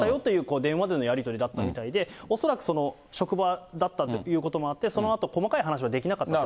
電話でのやり取りだったみたいで、恐らく、職場だったということもあって、そのあと、細かい話はできなかったと。